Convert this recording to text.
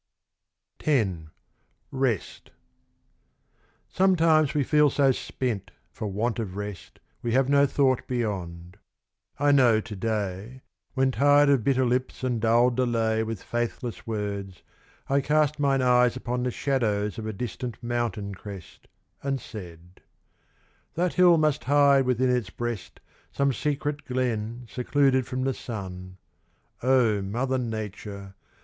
X Rest Sometimes we feel so spent for want of rest, We have no thought beyond. I know to day, When tired of bitter lips and dull delay With faithless words, I cast mine eyes upon The shadows of a distant mountain crest, And said "That hill must hide within its breast Some secret glen secluded from the sun. Oh, mother Nature!